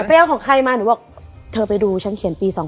ไปเอาของใครมาหนูบอกเธอไปดูฉันเขียนปี๒๕๖